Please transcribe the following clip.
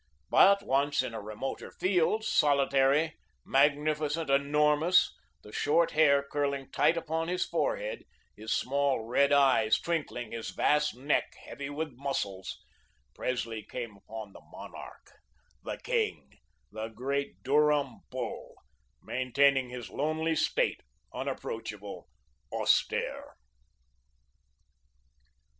But once in a remoter field, solitary, magnificent, enormous, the short hair curling tight upon his forehead, his small red eyes twinkling, his vast neck heavy with muscles, Presley came upon the monarch, the king, the great Durham bull, maintaining his lonely state, unapproachable, austere.